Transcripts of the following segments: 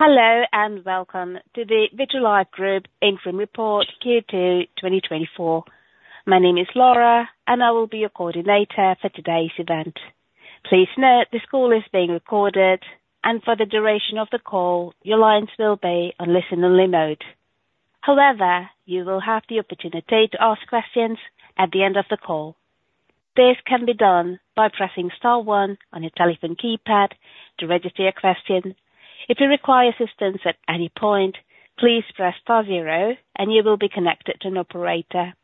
Hello, and welcome to the Vitrolife Group Interim Report, Q2 2024. My name is Laura, and I will be your coordinator for today's event. Please note, this call is being recorded, and for the duration of the call, your lines will be on listen-only mode. However, you will have the opportunity to ask questions at the end of the call. This can be done by pressing star one on your telephone keypad to register your question. If you require assistance at any point, please press star zero and you will be connected to an operator.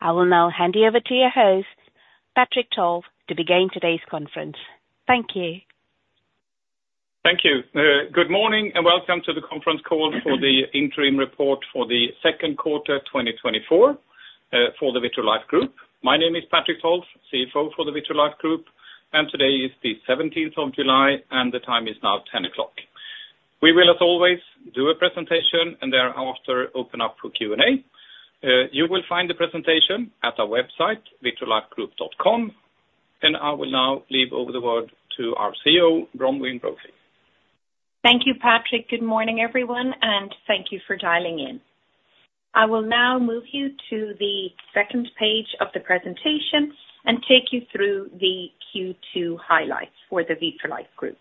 I will now hand you over to your host, Patrik Tolf, to begin today's conference. Thank you. Thank you. Good morning, and welcome to the Conference Call for the interim report for the second quarter, 2024, for the Vitrolife Group. My name is Patrik Tolf, CFO for the Vitrolife Group, and today is the seventeenth of July, and the time is now 10:00 A.M. We will, as always, do a presentation and thereafter open up for Q&A. You will find the presentation at our website, vitrolifegroup.com, and I will now hand over the word to our CEO, Bronwyn Brophy. Thank you, Patrik. Good morning, everyone, and thank you for dialing in. I will now move you to the second page of the presentation and take you through the Q2 highlights for the Vitrolife Group.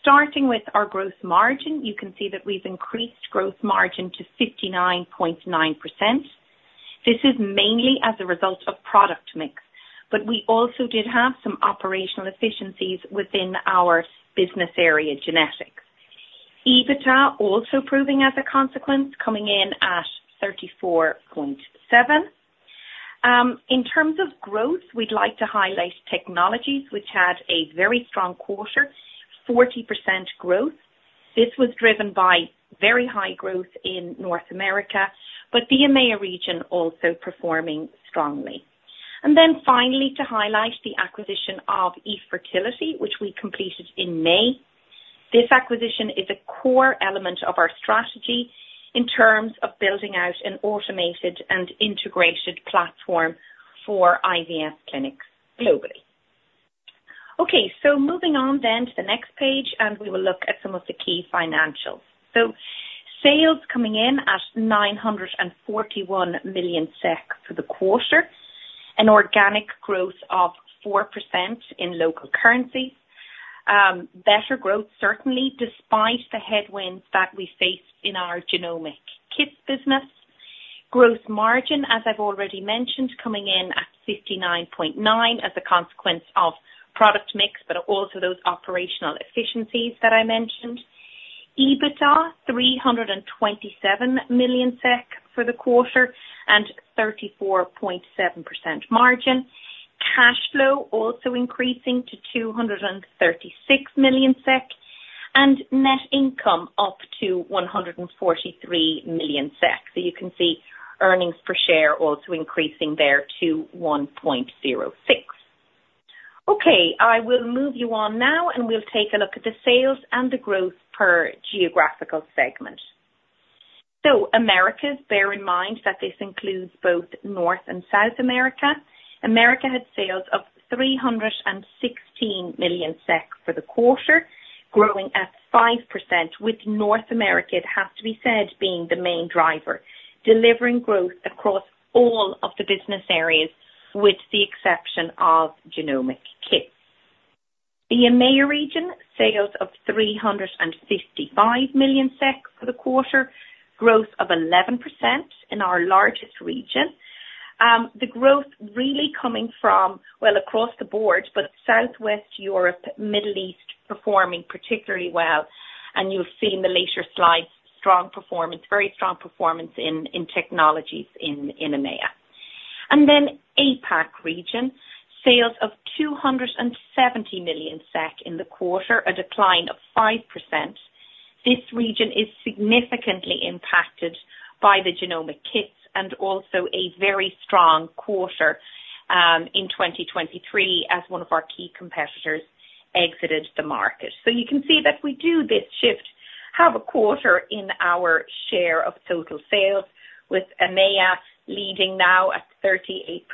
Starting with our gross margin, you can see that we've increased gross margin to 59.9%. This is mainly as a result of product mix, but we also did have some operational efficiencies within our business area, genetics. EBITDA also proving as a consequence, coming in at 34.7%. In terms of growth, we'd like to highlight technologies which had a very strong quarter, 40% growth. This was driven by very high growth in North America, but the EMEA region also performing strongly. And then finally, to highlight the acquisition of eFertility, which we completed in May. This acquisition is a core element of our strategy in terms of building out an automated and integrated platform for IVF clinics globally. Okay, so moving on then to the next page, and we will look at some of the key financials. So sales coming in at 941 million SEK for the quarter, an organic growth of 4% in local currency. Better growth, certainly despite the headwinds that we face in our genomic kits business. Gross margin, as I've already mentioned, coming in at 59.9% as a consequence of product mix, but also those operational efficiencies that I mentioned. EBITDA, 327 million SEK for the quarter and 34.7% margin. Cash flow also increasing to 236 million SEK, and net income up to 143 million SEK. So you can see earnings per share also increasing there to 1.06. Okay, I will move you on now, and we'll take a look at the sales and the growth per geographical segment. So Americas, bear in mind that this includes both North and South America. Americas had sales of 316 million for the quarter, growing at 5%, with North America, it has to be said, being the main driver, delivering growth across all of the business areas, with the exception of genomic kits. The EMEA region, sales of 355 million for the quarter, growth of 11% in our largest region. The growth really coming from, well, across the board, but Southwest Europe, Middle East, performing particularly well. And you'll see in the later slides, strong performance, very strong performance in technologies in EMEA. And then APAC region, sales of 270 million SEK in the quarter, a decline of 5%. This region is significantly impacted by the genomic kits and also a very strong quarter in 2023 as one of our key competitors exited the market. So you can see that we do this shift, have a quarter in our share of total sales, with EMEA leading now at 38%,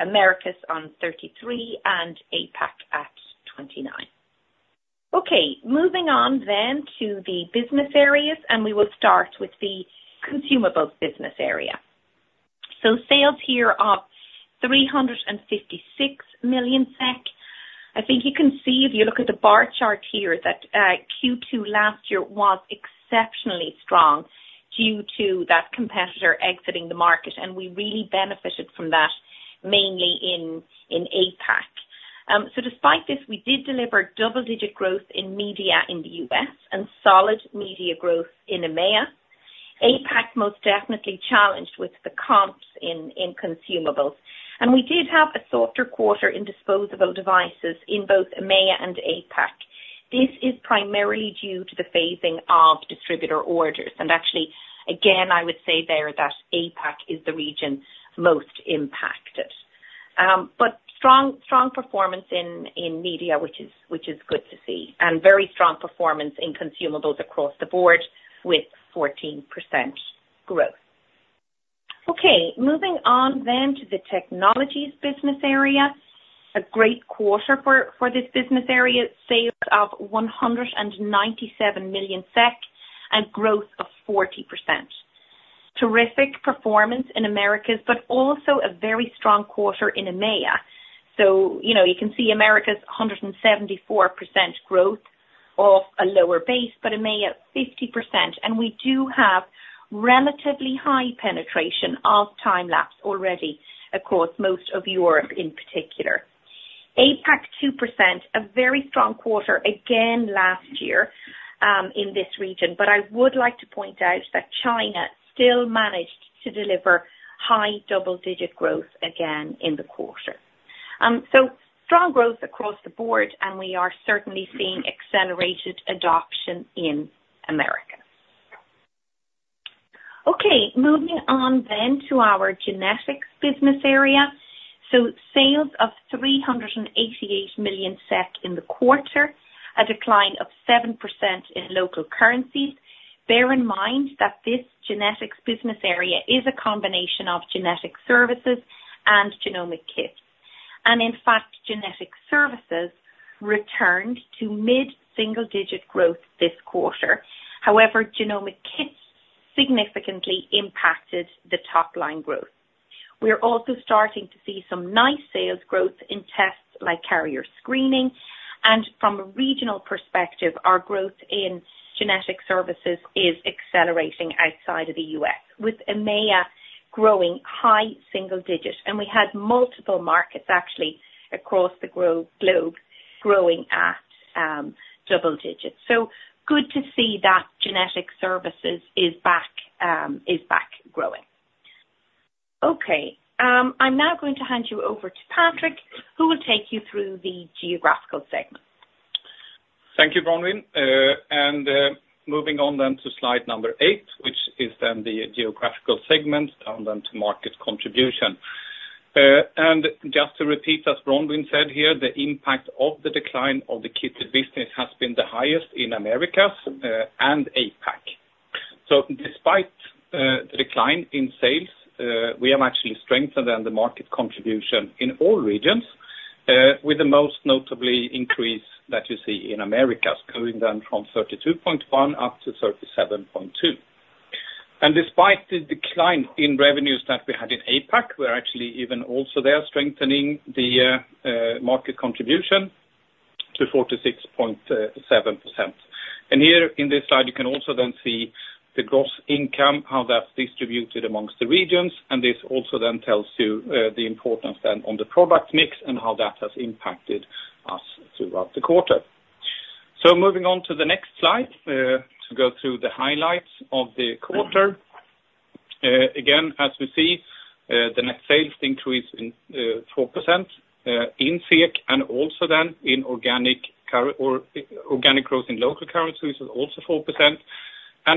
Americas on 33%, and APAC at 29%. Okay, moving on then to the business areas, and we will start with the consumables business area. So sales here are 356 million SEK. I think you can see if you look at the bar chart here, that Q2 last year was exceptionally strong due to that competitor exiting the market, and we really benefited from that, mainly in APAC. So despite this, we did deliver double-digit growth in media in the U.S. and solid media growth in EMEA. APAC most definitely challenged with the comps in, in consumables, and we did have a softer quarter in disposable devices in both EMEA and APAC. This is primarily due to the phasing of distributor orders, and actually, again, I would say there that APAC is the region most impacted. But strong, strong performance in, in media, which is, which is good to see, and very strong performance in consumables across the board with 14% growth. Okay, moving on then to the technologies business area, a great quarter for, for this business area. Sales of 197 million SEK, and growth of 40%. Terrific performance in Americas, but also a very strong quarter in EMEA. So, you know, you can see Americas 174% growth off a lower base, but in May at 50%, and we do have relatively high penetration of time-lapse already across most of Europe in particular. APAC, 2%, a very strong quarter again last year in this region, but I would like to point out that China still managed to deliver high double-digit growth again in the quarter. So strong growth across the board, and we are certainly seeing accelerated adoption in Americas. Okay, moving on then to our genetics business area. So sales of 388 million SEK in the quarter, a decline of 7% in local currencies. Bear in mind that this genetics business area is a combination of genetic services and genomic kits. And in fact, genetic services returned to mid-single-digit growth this quarter. However, genomic kits significantly impacted the top line growth. We are also starting to see some nice sales growth in tests like carrier screening, and from a regional perspective, our growth in genetic services is accelerating outside of the U.S., with EMEA growing high single digits. We had multiple markets actually across the globe growing at double digits. So good to see that genetic services is back, is back growing. Okay, I'm now going to hand you over to Patrik, who will take you through the geographical segment. Thank you, Bronwyn. And moving on then to slide number 8, which is then the geographical segment, and then to market contribution. And just to repeat, as Bronwyn said here, the impact of the decline of the kit business has been the highest in Americas and APAC. So despite the decline in sales, we have actually strengthened then the market contribution in all regions, with the most notably increase that you see in Americas, going down from 32.1, up to 37.2. And despite the decline in revenues that we had in APAC, we are actually even also there strengthening the market contribution to 46.7%. Here in this slide, you can also then see the gross income, how that's distributed among the regions, and this also then tells you the importance then on the product mix and how that has impacted us throughout the quarter. Moving on to the next slide, to go through the highlights of the quarter. Again, as we see, the net sales increase in 4%, in SEK, and also then in organic growth in local currencies is also 4%.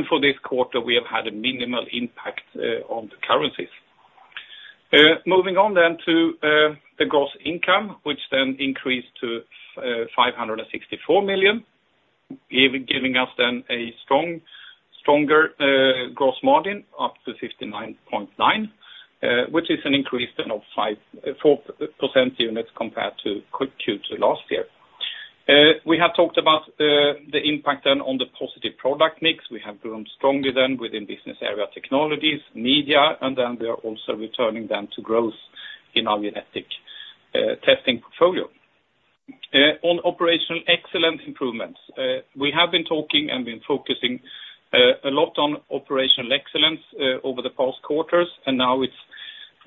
For this quarter, we have had a minimal impact on the currencies. Moving on then to the gross income, which then increased to 564 million, giving us then a stronger gross margin, up to 59.9%, which is an increase then of 4 percentage points compared to Q2 last year. We have talked about the impact then on the positive product mix. We have grown stronger then within business area Technologies, Media, and then we are also returning then to growth in our genetic testing portfolio. On operational excellence improvements, we have been talking and been focusing a lot on operational excellence over the past quarters, and now it's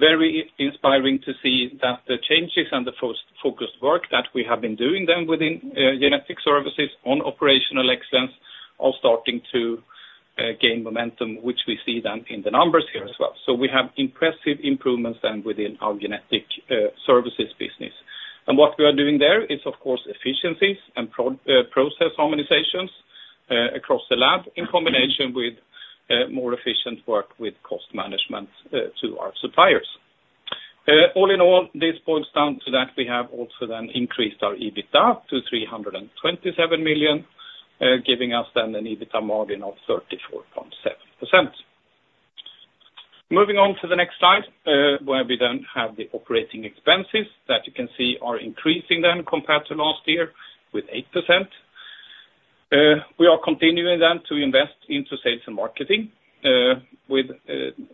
very inspiring to see that the changes and the focused work that we have been doing then within genetic services on operational excellence are starting to gain momentum, which we see then in the numbers here as well. So we have impressive improvements then within our genetic services business. And what we are doing there is, of course, efficiencies and process harmonizations across the lab, in combination with more efficient work with cost management to our suppliers. All in all, this boils down to that we have also then increased our EBITDA to 327 million, giving us then an EBITDA margin of 34.7%. Moving on to the next slide, where we then have the operating expenses that you can see are increasing then compared to last year with 8%. We are continuing then to invest into sales and marketing, with,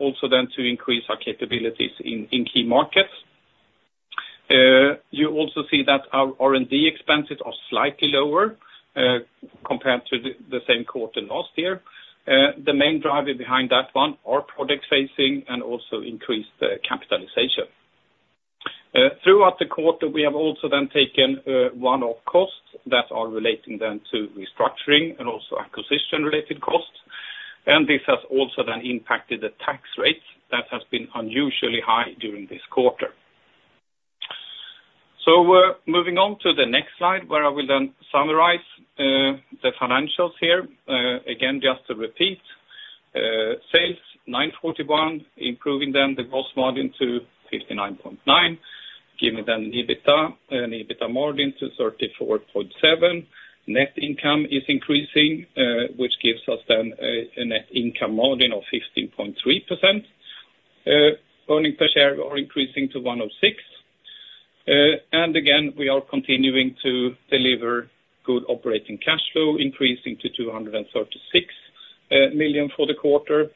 also then to increase our capabilities in, in key markets. You also see that our R&D expenses are slightly lower, compared to the, the same quarter last year. The main driver behind that one are product phacing and also increased, capitalization. Throughout the quarter, we have also then taken, one-off costs that are relating then to restructuring and also acquisition-related costs. And this has also then impacted the tax rates that has been unusually high during this quarter. So we're moving on to the next slide, where I will then summarize, the financials here. Again, just to repeat, sales 941 million, improving then the gross margin to 59.9%, giving an EBITDA, an EBITDA margin to 34.7%. Net income is increasing, which gives us then a net income margin of 15.3%. Earnings per share are increasing to 1.06. And again, we are continuing to deliver good operating cash flow, increasing to 236 million for the quarter.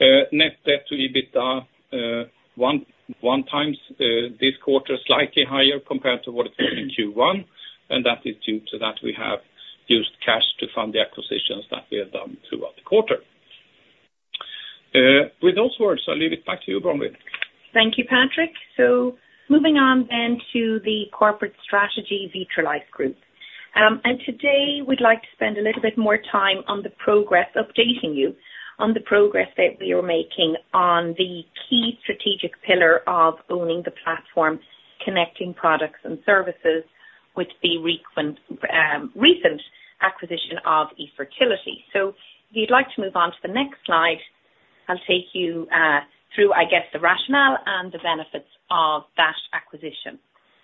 Net debt to EBITDA 1.1 times this quarter, slightly higher compared to what it was in Q1, and that is due to that we have used cash to fund the acquisitions that we have done throughout the quarter. With those words, I'll leave it back to you, Bronwyn. Thank you, Patrik. So moving on then to the corporate strategy, Vitrolife Group. And today, we'd like to spend a little bit more time on the progress, updating you on the progress that we are making on the key strategic pillar of owning the platform, connecting products and services with the recent acquisition of eFertility. So if you'd like to move on to the next slide, I'll take you through, I guess, the rationale and the benefits of that acquisition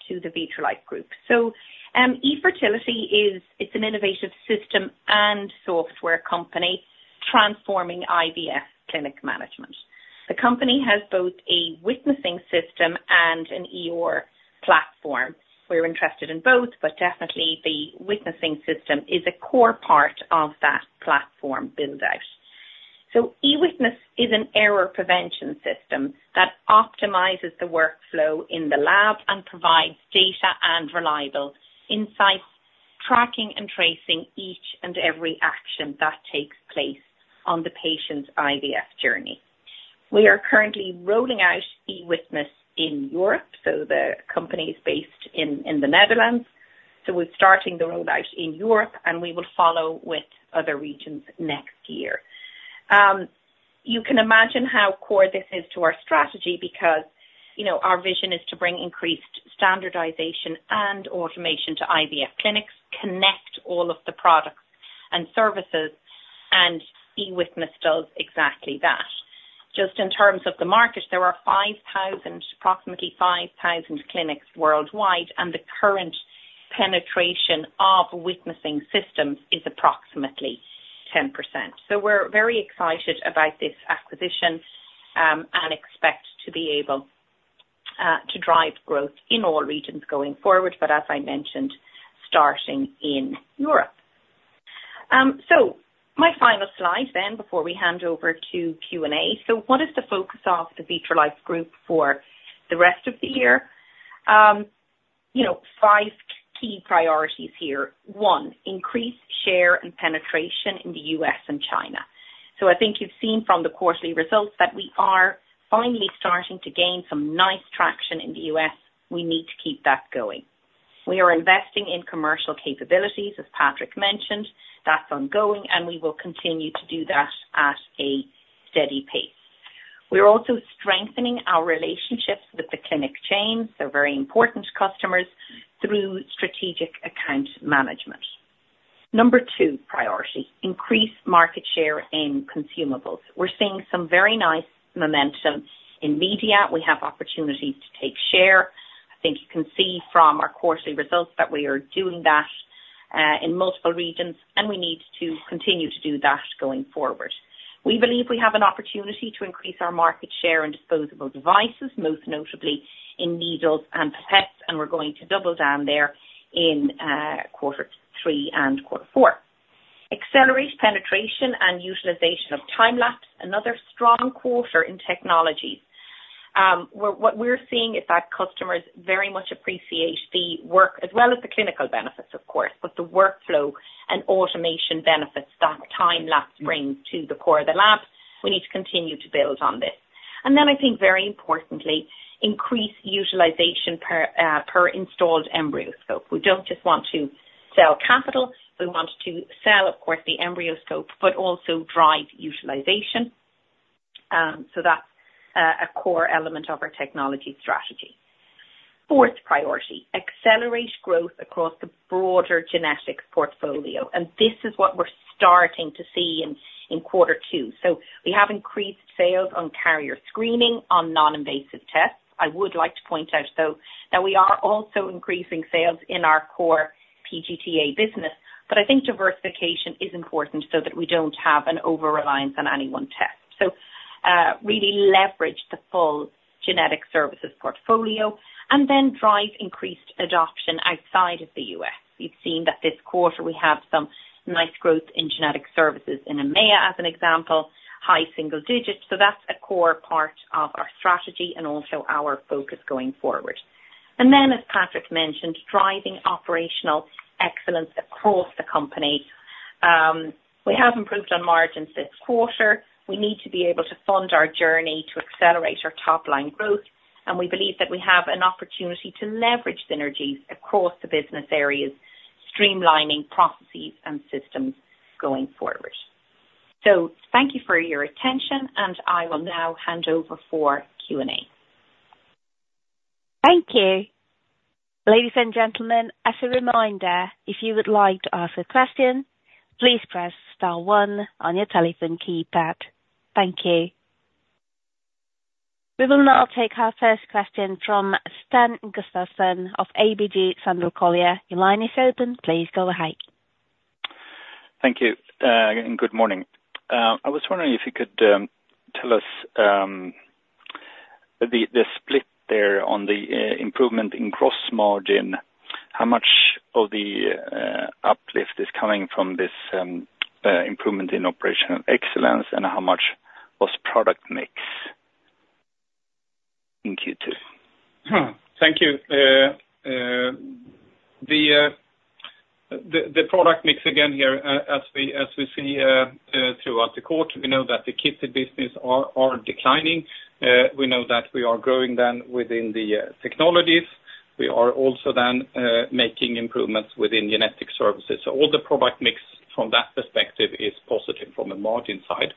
to the Vitrolife Group. So, eFertility is, it's an innovative system and software company transforming IVF clinic management. The company has both a witnessing system and an EMR platform. We're interested in both, but definitely the witnessing system is a core part of that platform build-out. So eWitness is an error prevention system that optimizes the workflow in the lab and provides data and reliable insights, tracking and tracing each and every action that takes place on the patient's IVF journey. We are currently rolling out eWitness in Europe, so the company is based in the Netherlands. So we're starting the rollout in Europe, and we will follow with other regions next year. You can imagine how core this is to our strategy, because, you know, our vision is to bring increased standardization and automation to IVF clinics, connect all of the products and services, and eWitness does exactly that. Just in terms of the market, there are 5,000, approximately 5,000 clinics worldwide, and the current penetration of witnessing systems is approximately 10%. So we're very excited about this acquisition, and expect to be able to drive growth in all regions going forward, but as I mentioned, starting in Europe. So my final slide then, before we hand over to Q&A. So what is the focus of the Vitrolife Group for the rest of the year? You know, five key priorities here. One, increase share and penetration in the U.S. and China. So I think you've seen from the quarterly results that we are finally starting to gain some nice traction in the U.S. We need to keep that going. We are investing in commercial capabilities, as Patrik mentioned. That's ongoing, and we will continue to do that at a steady pace. We're also strengthening our relationships with the clinic chains, they're very important customers, through strategic account management. Number two priority, increase market share in consumables. We're seeing some very nice momentum in media. We have opportunity to take share. I think you can see from our quarterly results that we are doing that, in multiple regions, and we need to continue to do that going forward. We believe we have an opportunity to increase our market share in disposable devices, most notably in needles and pipettes, and we're going to double down there in, quarter three and quarter four. Accelerate penetration and utilization of time-lapse, another strong quarter in technologies. What we're seeing is that customers very much appreciate the work, as well as the clinical benefits, of course, but the workflow and automation benefits that time-lapse brings to the core of the lab. We need to continue to build on this. And then I think, very importantly, increase utilization per installed EmbryoScope. We don't just want to sell capital, we want to sell, of course, the EmbryoScope, but also drive utilization. So that's a core element of our technology strategy. Fourth priority, accelerate growth across the broader genetics portfolio, and this is what we're starting to see in quarter two. So we have increased sales on carrier screening, on non-invasive tests. I would like to point out, though, that we are also increasing sales in our core PGT-A business, but I think diversification is important so that we don't have an over-reliance on any one test. So really leverage the full genetic services portfolio and then drive increased adoption outside of the U.S. We've seen that this quarter we have some nice growth in genetic services in EMEA, as an example, high single digits. So that's a core part of our strategy and also our focus going forward. And then, as Patrik mentioned, driving operational excellence across the company. We have improved on margins this quarter. We need to be able to fund our journey to accelerate our top line growth, and we believe that we have an opportunity to leverage synergies across the business areas, streamlining processes and systems going forward. So thank you for your attention, and I will now hand over for Q&A. Thank you.... Ladies and gentlemen, as a reminder, if you would like to ask a question, please press star one on your telephone keypad. Thank you. We will now take our first question from Sten Gustafsson of ABG Sundal Collier. Your line is open. Please go ahead. Thank you, and good morning. I was wondering if you could tell us the split there on the improvement in gross margin, how much of the uplift is coming from this improvement in operational excellence, and how much was product mix in Q2? Thank you. The product mix again here, as we see, throughout the quarter, we know that the kits in business are declining. We know that we are growing then within the technologies. We are also then making improvements within genetic services. So all the product mix from that perspective is positive from a margin side.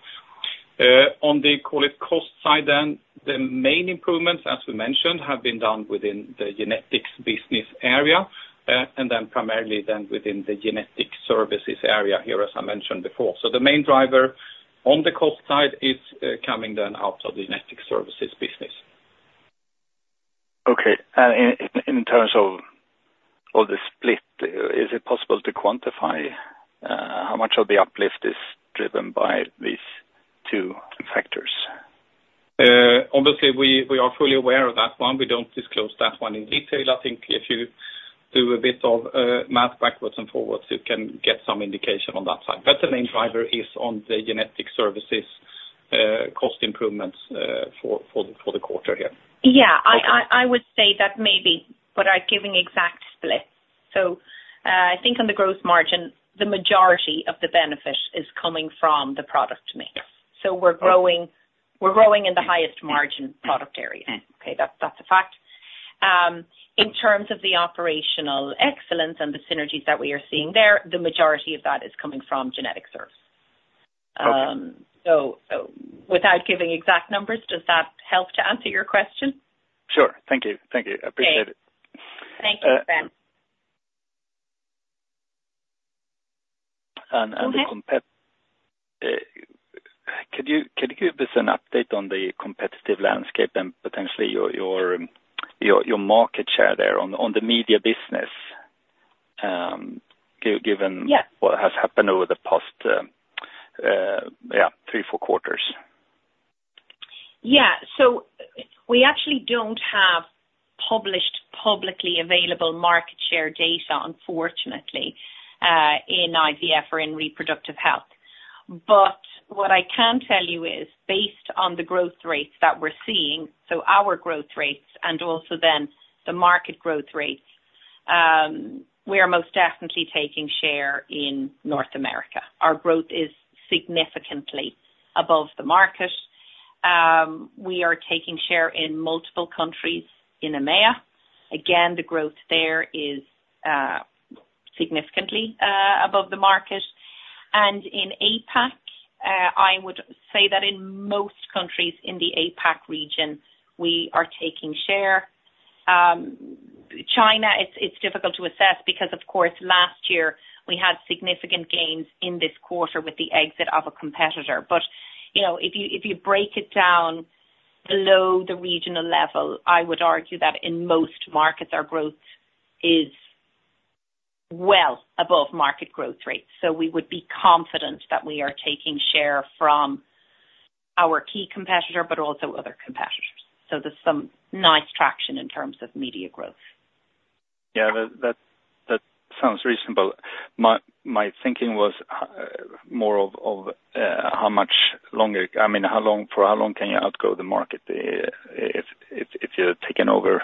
On the cost side, then the main improvements, as we mentioned, have been done within the genetics business area, and then primarily then within the genetic services area here, as I mentioned before. So the main driver on the cost side is coming then out of the genetic services business. Okay. In terms of the split, is it possible to quantify how much of the uplift is driven by these two factors? Obviously, we are fully aware of that one. We don't disclose that one in detail. I think if you do a bit of math backwards and forwards, you can get some indication on that side. But the main driver is on the genetic services cost improvements for the quarter here. Yeah. I would say that maybe, without giving exact splits. So, I think on the gross margin, the majority of the benefit is coming from the product mix. So we're growing, we're growing in the highest margin product area. Okay. That's, that's a fact. In terms of the operational excellence and the synergies that we are seeing there, the majority of that is coming from genetic service. Okay. So, without giving exact numbers, does that help to answer your question? Sure. Thank you. Thank you. Great. I appreciate it. Thank you, Sten. the compet- Could you give us an update on the competitive landscape and potentially your market share there on the media business, given- Yeah... what has happened over the past three, four quarters? Yeah. So we actually don't have published, publicly available market share data, unfortunately, in IVF or in reproductive health. But what I can tell you is, based on the growth rates that we're seeing, so our growth rates and also then the market growth rates, we are most definitely taking share in North America. Our growth is significantly above the market. We are taking share in multiple countries in EMEA. Again, the growth there is significantly above the market. And in APAC, I would say that in most countries in the APAC region, we are taking share. China, it's difficult to assess because, of course, last year we had significant gains in this quarter with the exit of a competitor. You know, if you break it down below the regional level, I would argue that in most markets, our growth is well above market growth rates. So we would be confident that we are taking share from our key competitor, but also other competitors. So there's some nice traction in terms of media growth. Yeah, that sounds reasonable. My thinking was more of how much longer... I mean, how long, for how long can you outgrow the market, if you're taking over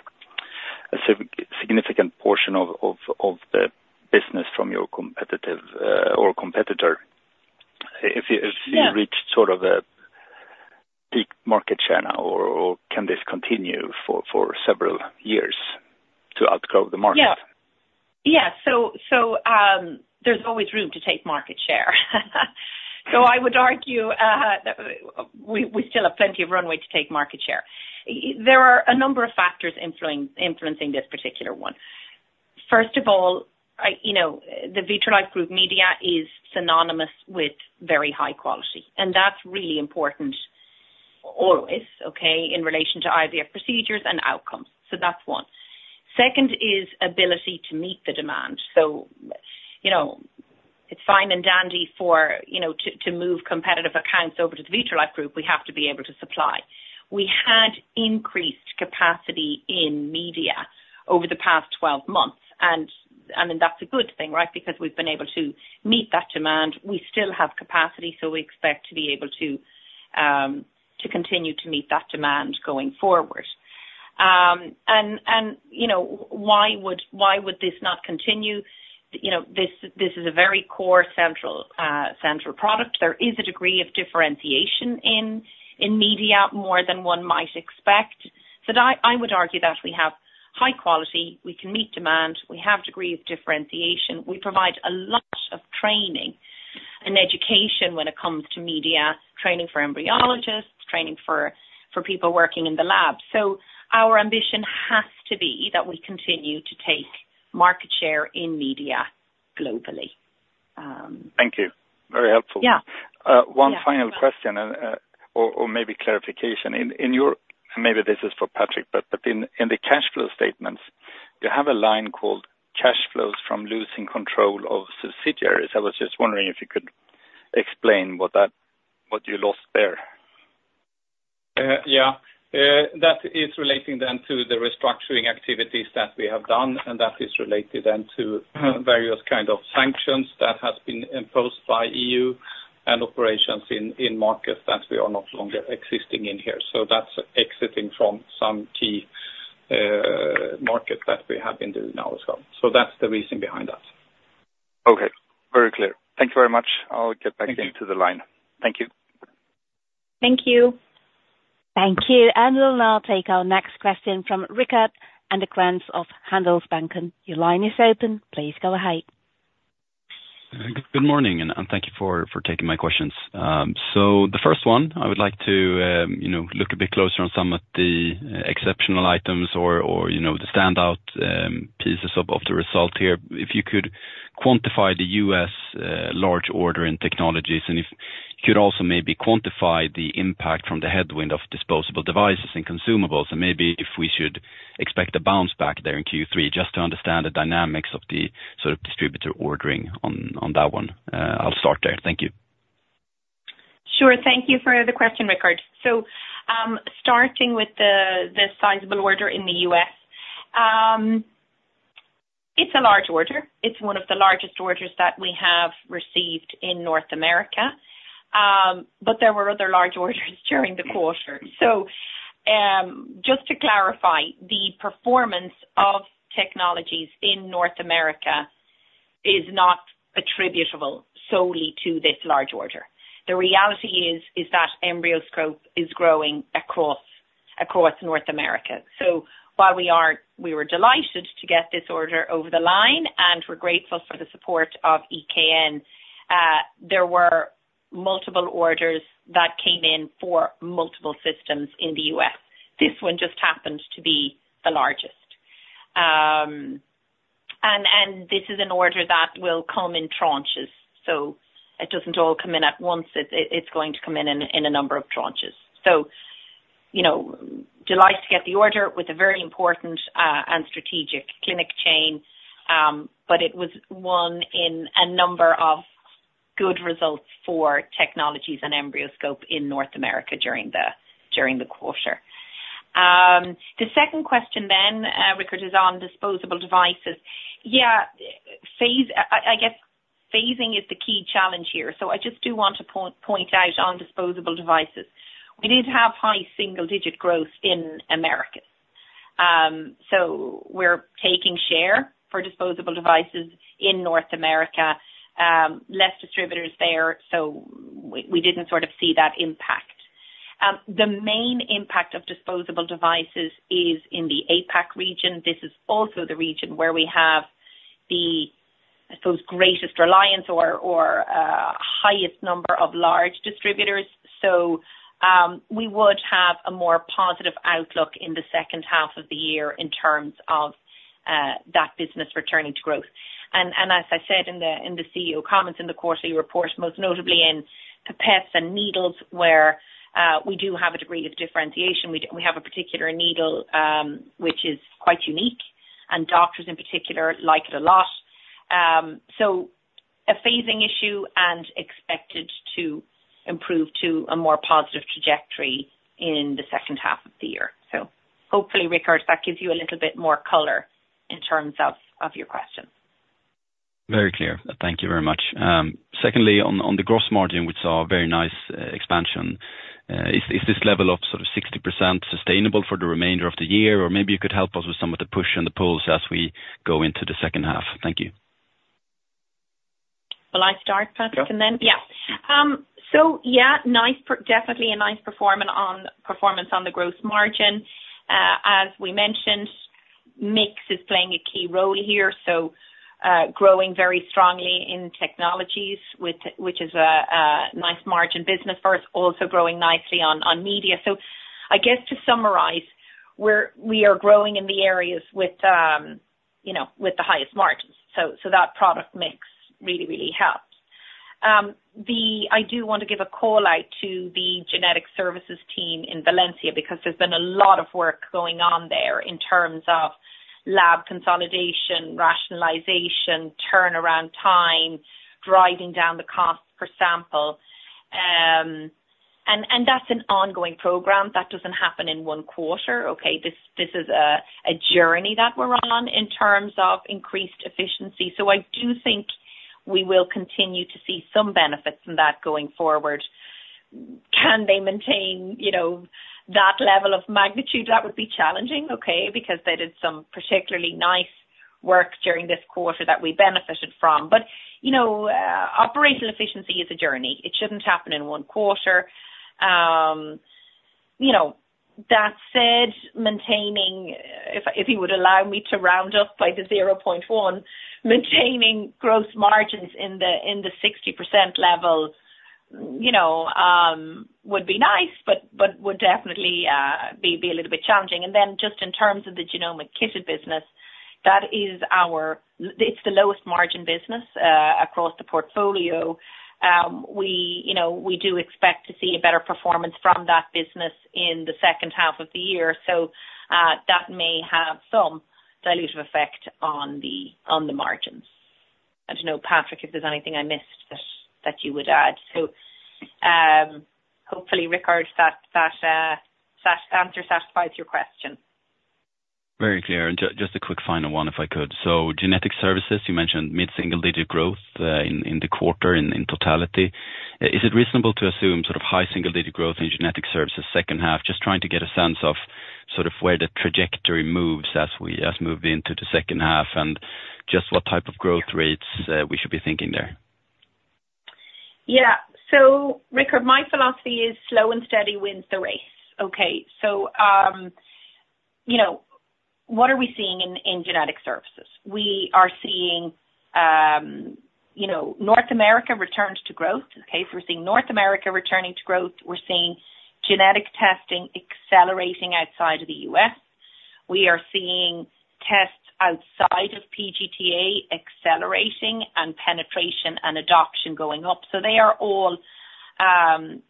a significant portion of the business from your competitor? If you- Yeah... if you reached sort of a peak market share now or, or can this continue for, for several years to outgrow the market? Yeah. Yeah. So, so, there's always room to take market share. So I would argue that we, we still have plenty of runway to take market share. There are a number of factors influencing this particular one. First of all, you know, the Vitrolife Group media is synonymous with very high quality, and that's really important always, okay, in relation to IVF procedures and outcomes. So that's one. Second is ability to meet the demand. So, you know, it's fine and dandy for, you know, to move competitive accounts over to the Vitrolife Group, we have to be able to supply. We had increased capacity in media over the past 12 months, and, I mean, that's a good thing, right? Because we've been able to meet that demand. We still have capacity, so we expect to be able to to continue to meet that demand going forward. And, and, you know, why would, why would this not continue? You know, this, this is a very core, central, central product. There is a degree of differentiation in, in media, more than one might expect. So I, I would argue that we have high quality, we can meet demand, we have degree of differentiation, we provide a lot of training and education when it comes to media, training for embryologists, training for, for people working in the lab. So our ambition has to be that we continue to take market share in media globally. Thank you. Very helpful. Yeah. One final question, and maybe clarification. In your, and maybe this is for Patrik, but in the cash flow statements, you have a line called cash flows from losing control of subsidiaries. I was just wondering if you could explain what you lost there? Yeah. That is relating then to the restructuring activities that we have done, and that is related then to various kind of sanctions that has been imposed by EU, and operations in markets that we are no longer existing in here. So that's exiting from some key market that we have been doing now as well. So that's the reason behind that. Okay, very clear. Thank you very much. I'll get back into the line. Thank you. Thank you. Thank you, and we'll now take our next question from Rickard Andergren of Handelsbanken. Your line is open. Please go ahead. Good morning, and thank you for taking my questions. So the first one, I would like to you know, look a bit closer on some of the exceptional items or you know, the standout pieces of the result here. If you could quantify the US large order in technologies, and if you could also maybe quantify the impact from the headwind of disposable devices and consumables, and maybe if we should expect a bounce back there in Q3, just to understand the dynamics of the sort of distributor ordering on that one. I'll start there. Thank you. Sure. Thank you for the question, Rickard. So, starting with the sizable order in the U.S. It's a large order. It's one of the largest orders that we have received in North America. But there were other large orders during the quarter. So, just to clarify, the performance of technologies in North America is not attributable solely to this large order. The reality is that EmbryoScope is growing across North America. So while we were delighted to get this order over the line, and we're grateful for the support of EKN, there were multiple orders that came in for multiple systems in the U.S. This one just happened to be the largest. And this is an order that will come in tranches, so it doesn't all come in at once. It's going to come in a number of tranches. So, you know, delighted to get the order with a very important and strategic clinic chain, but it was one in a number of good results for technologies and EmbryoScope in North America during the quarter. The second question then, Rickard, is on disposable devices. Yeah, I guess phasing is the key challenge here. So I just do want to point out on disposable devices, we did have high single-digit growth in Americas. So we're taking share for disposable devices in North America, less distributors there, so we didn't sort of see that impact. The main impact of disposable devices is in the APAC region. This is also the region where we have the, I suppose, greatest reliance or highest number of large distributors. So, we would have a more positive outlook in the second half of the year in terms of that business returning to growth. And as I said, in the CEO comments in the quarterly report, most notably in pipettes and needles, where we do have a degree of differentiation. We have a particular needle, which is quite unique, and doctors in particular like it a lot. So a phasing issue and expected to improve to a more positive trajectory in the second half of the year. So hopefully, Rickard, that gives you a little bit more color in terms of your question. Very clear. Thank you very much. Secondly, on the gross margin, we saw a very nice expansion. Is this level of sort of 60% sustainable for the remainder of the year? Or maybe you could help us with some of the push and the pulls as we go into the second half. Thank you. Will I start, Patrik, and then... Sure. Yeah. So yeah, nice, definitely a nice performance on the gross margin. As we mentioned, mix is playing a key role here, so, growing very strongly in technologies, which is a nice margin business for us, also growing nicely on media. So I guess to summarize, we are growing in the areas with, you know, with the highest margins. So that product mix really, really helps. I do want to give a call out to the genetic services team in Valencia, because there's been a lot of work going on there in terms of lab consolidation, rationalization, turnaround time, driving down the cost per sample. And that's an ongoing program. That doesn't happen in one quarter, okay? This is a journey that we're on in terms of increased efficiency. So I do think we will continue to see some benefits from that going forward. Can they maintain, you know, that level of magnitude? That would be challenging, okay? Because they did some particularly nice work during this quarter that we benefited from. But, you know, operational efficiency is a journey. It shouldn't happen in one quarter. You know, that said, maintaining, if you would allow me to round up by the 0.1, maintaining gross margins in the 60% level, you know, would be nice, but would definitely be a little bit challenging. And then just in terms of the genomic kits business, that is our—it's the lowest margin business across the portfolio. We, you know, we do expect to see a better performance from that business in the second half of the year. So, that may have some dilutive effect on the margins. I don't know, Patrik, if there's anything I missed that you would add. So, hopefully, Rickard, that answer satisfies your question. Very clear. Just a quick final one, if I could. Genetic services, you mentioned mid-single-digit growth in the quarter in totality. Is it reasonable to assume sort of high single-digit growth in genetic services second half? Just trying to get a sense of sort of where the trajectory moves as we move into the second half, and just what type of growth rates we should be thinking there. Yeah. So Rickard, my philosophy is slow and steady wins the race. Okay, so, you know, what are we seeing in, in genetic services? We are seeing, you know, North America return to growth. Okay, we're seeing North America returning to growth. We're seeing genetic testing accelerating outside of the U.S. We are seeing tests outside of PGT-A accelerating and penetration and adoption going up. So they are all,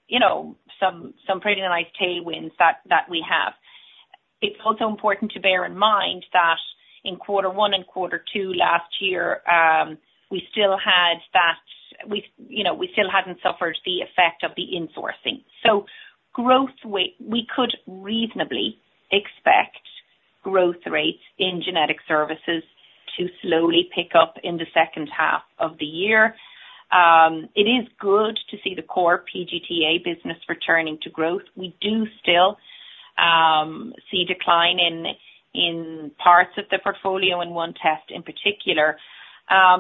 you know, some, some pretty nice tailwinds that, that we have. It's also important to bear in mind that in quarter one and quarter two last year, we still had that, we, you know, we still hadn't suffered the effect of the insourcing. So growth rate, we could reasonably expect growth rates in genetic services to slowly pick up in the second half of the year. It is good to see the core PGT-A business returning to growth. We do still see decline in parts of the portfolio in one test in particular.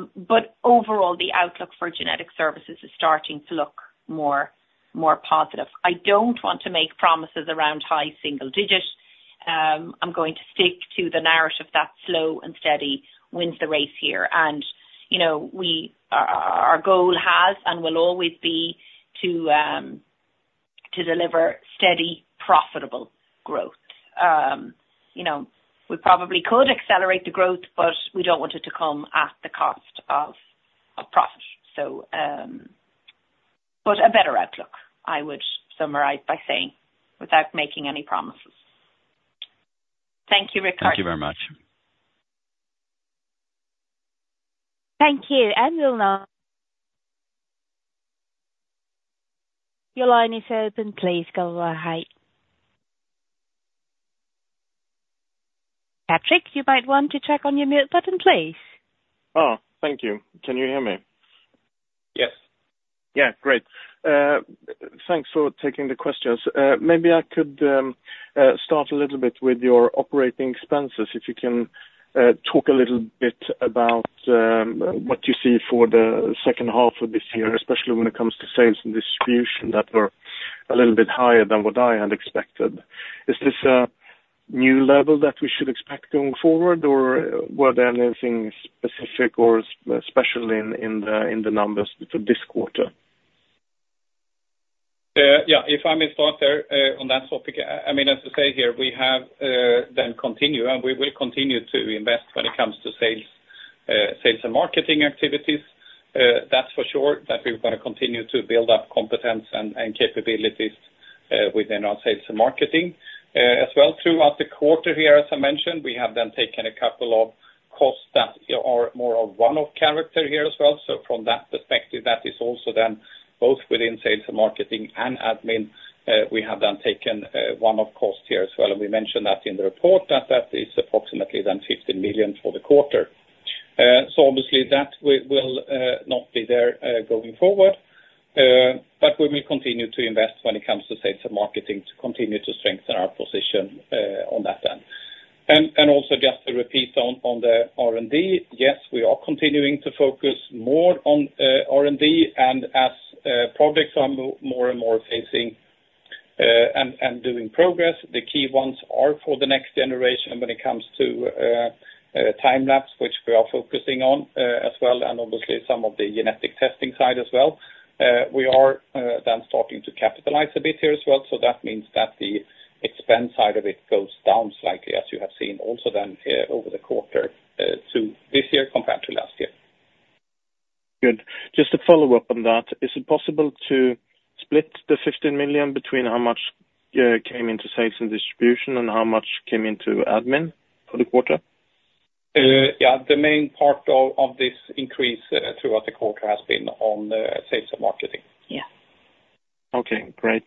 But overall, the outlook for genetic services is starting to look more positive. I don't want to make promises around high single digits. I'm going to stick to the narrative that slow and steady wins the race here. And, you know, we our goal has and will always be to deliver steady, profitable growth. You know, we probably could accelerate the growth, but we don't want it to come at the cost of profit. So, but a better outlook, I would summarize by saying, without making any promises. Thank you, Rickard. Thank you very much. Thank you. And we'll now... Your line is open. Please go ahead. Patrik, you might want to check on your mute button, please. Oh, thank you. Can you hear me? Yes. Yeah, great. Thanks for taking the questions. Maybe I could start a little bit with your operating expenses, if you can talk a little bit about what you see for the second half of this year, especially when it comes to sales and distribution, that were a little bit higher than what I had expected. Is this a new level that we should expect going forward, or were there anything specific or special in the numbers for this quarter? Yeah, if I may start there, on that topic, I mean, as to say here, we have then continue, and we will continue to invest when it comes to sales, sales and marketing activities. That's for sure, that we're gonna continue to build up competence and capabilities within our sales and marketing. As well, throughout the quarter here, as I mentioned, we have then taken a couple of costs that are more of one-off character here as well. So from that perspective, that is also then both within sales and marketing and admin, we have then taken one-off cost here as well. We mentioned that in the report, that is approximately then 15 million for the quarter. So obviously that will not be there going forward, but we will continue to invest when it comes to sales and marketing to continue to strengthen our position on that end. And also just to repeat on the R&D, yes, we are continuing to focus more on R&D and as projects are more and more facing and doing progress, the key ones are for the next generation when it comes to time-lapse, which we are focusing on as well, and obviously some of the genetic testing side as well. We are then starting to capitalize a bit here as well. So that means that the expense side of it goes down slightly, as you have seen also then over the quarter to this year compared to last year. Good. Just to follow up on that, is it possible to split the 15 million between how much came into sales and distribution and how much came into admin for the quarter? Yeah, the main part of this increase throughout the quarter has been on the sales and marketing. Yeah. Okay, great.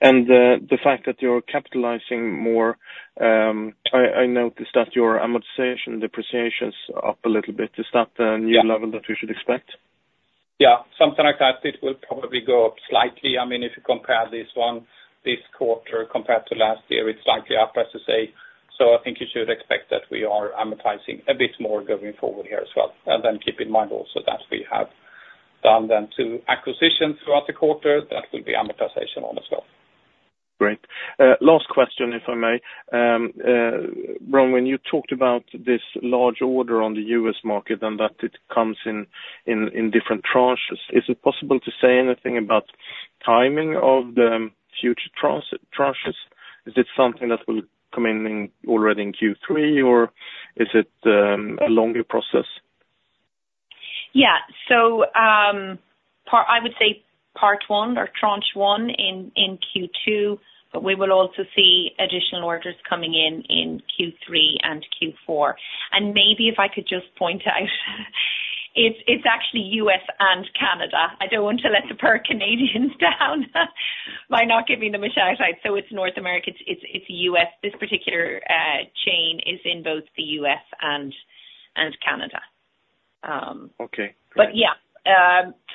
And, the fact that you're capitalizing more, I noticed that your amortization and depreciation is up a little bit. Is that the new level? Yeah. that we should expect? Yeah, something like that. It will probably go up slightly. I mean, if you compare this one, this quarter compared to last year, it's slightly up, as to say. So I think you should expect that we are amortizing a bit more going forward here as well. And then keep in mind also that we have-... done, then two acquisitions throughout the quarter that will be amortization on as well. Great. Last question, if I may. Bronwyn, you talked about this large order on the US market and that it comes in different tranches. Is it possible to say anything about timing of the future tranches? Is it something that will come in already in Q3, or is it a longer process? Yeah. So, part one or tranche one in Q2, but we will also see additional orders coming in in Q3 and Q4. And maybe if I could just point out, it's actually US and Canada. I don't want to let the poor Canadians down by not giving them a shout out. So it's North America. It's US. This particular chain is in both the U.S. and Canada. Okay. But yeah,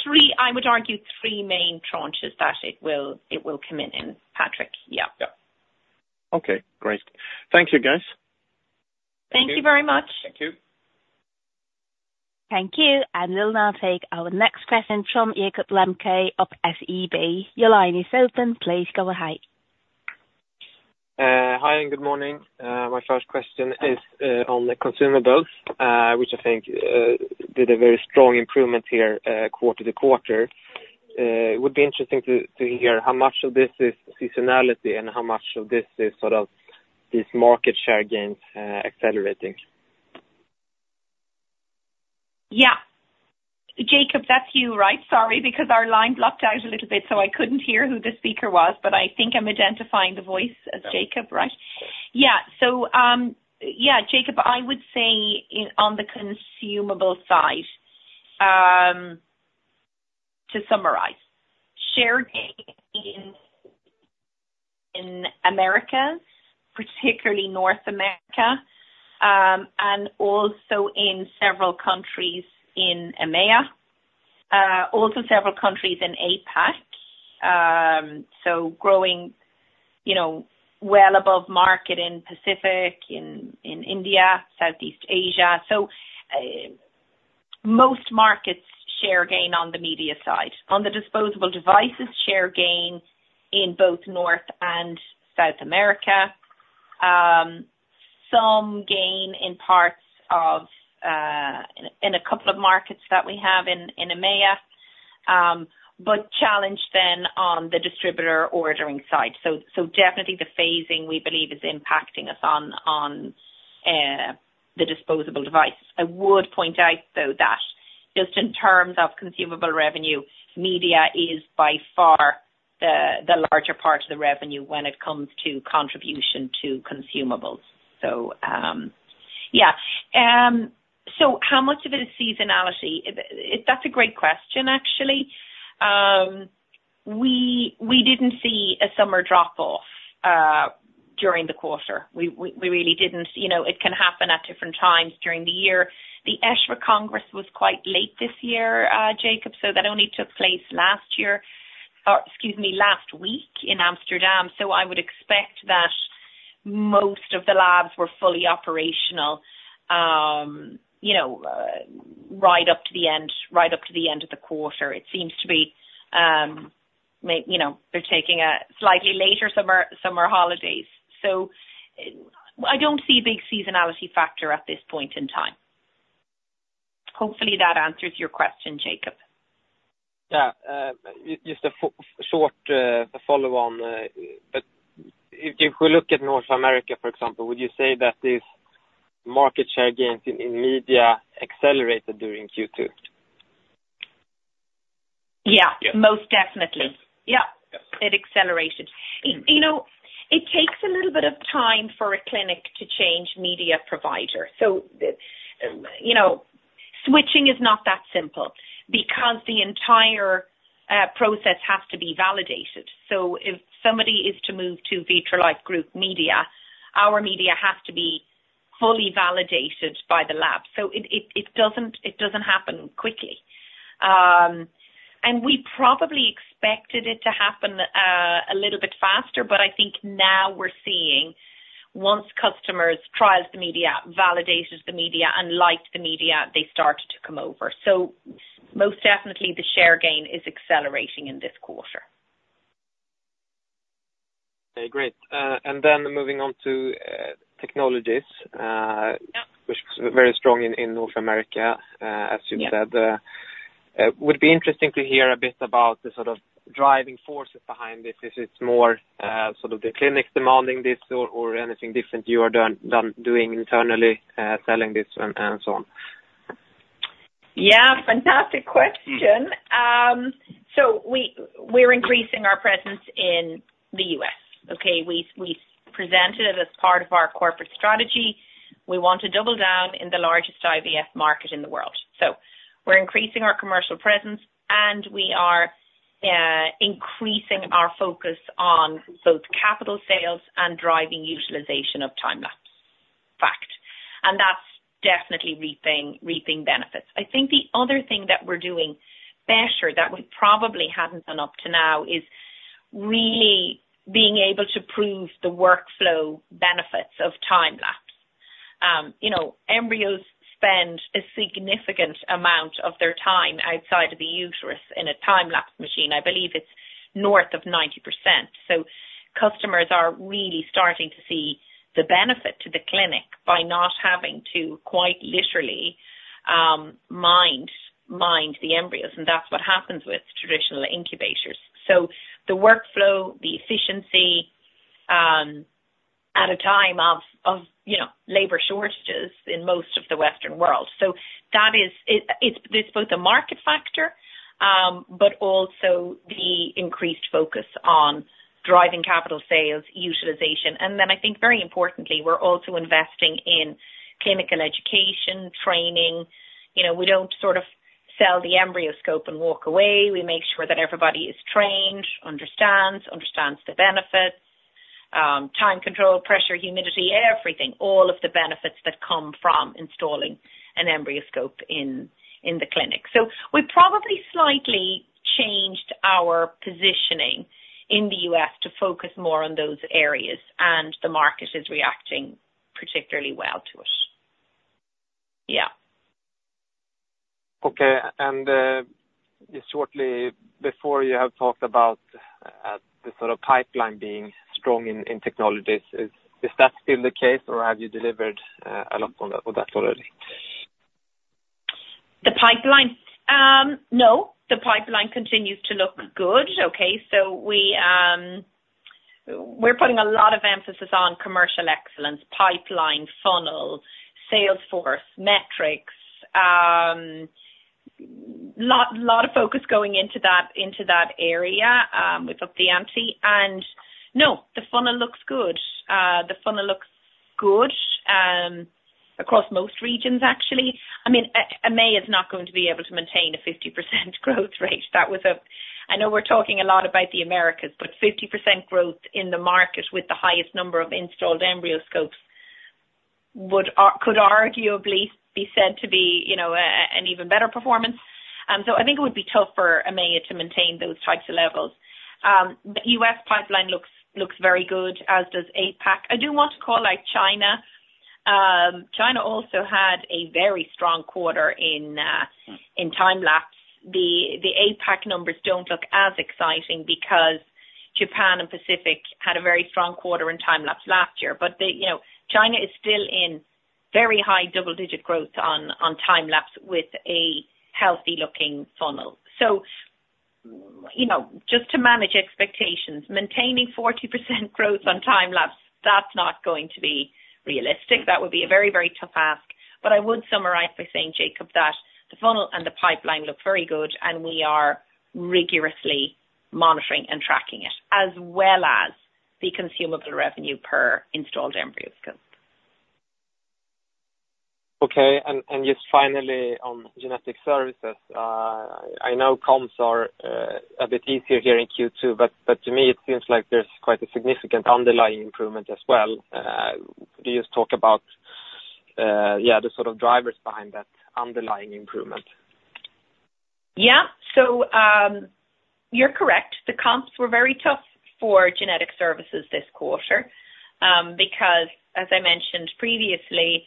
three. I would argue three main tranches that it will come in, in Patrik. Yeah. Yeah. Okay, great. Thank you, guys. Thank you very much. Thank you. Thank you, and we'll now take our next question from Jakob Lembke of SEB. Your line is open. Please go ahead. Hi, and good morning. My first question is on the Consumables, which I think did a very strong improvement here, quarter-over-quarter. It would be interesting to hear how much of this is seasonality, and how much of this is sort of this market share gains accelerating? Yeah. Jakob, that's you, right? Sorry, because our line blocked out a little bit, so I couldn't hear who the speaker was, but I think I'm identifying the voice as Jakob, right? Yeah. So, yeah, Jakob, I would say on the consumable side, to summarize, share gain in Americas, particularly North America, and also in several countries in EMEA, also several countries in APAC. So growing, you know, well above market in Pacific, in India, Southeast Asia. So, most markets share gain on the media side. On the disposable devices, share gain in both North and South America. Some gain in parts of, in a couple of markets that we have in EMEA, but challenged then on the distributor ordering side. So, so definitely the phasing, we believe, is impacting us on the disposable device. I would point out, though, that just in terms of consumable revenue, media is by far the larger part of the revenue when it comes to contribution to consumables. So, yeah. So how much of it is seasonality? That's a great question, actually. We didn't see a summer drop-off during the quarter. We really didn't. You know, it can happen at different times during the year. The ESHRE Congress was quite late this year, Jakob, so that only took place last year, or excuse me, last week in Amsterdam. So I would expect that most of the labs were fully operational, you know, right up to the end, right up to the end of the quarter. It seems to be, you know, they're taking a slightly later summer holidays. So I don't see a big seasonality factor at this point in time. Hopefully, that answers your question, Jakob. Yeah. Just a short follow on, but if we look at North America, for example, would you say that these market share gains in media accelerated during Q2? Yeah. Yeah. Most definitely. Yes. Yeah. Yes. It accelerated. You know, it takes a little bit of time for a clinic to change media provider. So the, you know, switching is not that simple because the entire process has to be validated. So if somebody is to move to Vitrolife Group media, our media has to be fully validated by the lab. So it doesn't happen quickly. And we probably expected it to happen a little bit faster, but I think now we're seeing once customers trials the media, validates the media, and likes the media, they start to come over. So most definitely the share gain is accelerating in this quarter. Okay, great. And then moving on to Technologies. Yeah... which was very strong in North America, as you said. Yeah. It would be interesting to hear a bit about the sort of driving forces behind this. If it's more sort of the clinics demanding this or anything different you're doing internally, selling this and so on. Yeah, fantastic question. So we're increasing our presence in the U.S. Okay. We presented it as part of our corporate strategy. We want to double down in the largest IVF market in the world. So we're increasing our commercial presence, and we are increasing our focus on both capital sales and driving utilization of time-lapse tech. And that's definitely reaping benefits. I think the other thing that we're doing better, that we probably hadn't done up to now, is really being able to prove the workflow benefits of time-lapse. You know, embryos spend a significant amount of their time outside of the uterus in a time-lapse machine. I believe it's north of 90%. So customers are really starting to see the benefit to the clinic by not having to quite literally mind the embryos, and that's what happens with traditional incubators. So the workflow, the efficiency, at a time of you know, labor shortages in most of the Western world. So that is, it's both a market factor, but also the increased focus on driving capital sales utilization. And then I think very importantly, we're also investing in clinical education, training. You know, we don't sort of sell the EmbryoScope and walk away. We make sure that everybody is trained, understands the benefits, time control, pressure, humidity, everything, all of the benefits that come from installing an EmbryoScope in the clinic. We probably slightly changed our positioning in the U.S. to focus more on those areas, and the market is reacting particularly well to it. Yeah. Okay. And just shortly before you have talked about the sort of pipeline being strong in technologies. Is that still the case, or have you delivered a lot on that already? The pipeline? No, the pipeline continues to look good. Okay, so we're putting a lot of emphasis on commercial excellence, pipeline funnel, sales force, metrics. A lot of focus going into that area. We've upped the ante, and no, the funnel looks good. The funnel looks good across most regions, actually. I mean, EMEA is not going to be able to maintain a 50% growth rate. That was a... I know we're talking a lot about the Americas, but 50% growth in the market with the highest number of installed EmbryoScopes could arguably be said to be, you know, an even better performance. So I think it would be tough for EMEA to maintain those types of levels. The U.S. pipeline looks very good, as does APAC. I do want to call out China. China also had a very strong quarter in time-lapse. The APAC numbers don't look as exciting because Japan and Pacific had a very strong quarter in time-lapse last year. But they, you know, China is still in very high double-digit growth on time-lapse with a healthy looking funnel. So, you know, just to manage expectations, maintaining 40% growth on time-lapse, that's not going to be realistic. That would be a very, very tough ask. But I would summarize by saying, Jakob, that the funnel and the pipeline look very good, and we are rigorously monitoring and tracking it, as well as the consumable revenue per installed EmbryoScope. Okay. And just finally on genetic services, I know comps are a bit easier here in Q2, but to me it seems like there's quite a significant underlying improvement as well. Could you just talk about yeah, the sort of drivers behind that underlying improvement? Yeah. So, you're correct. The comps were very tough for genetic services this quarter, because as I mentioned previously,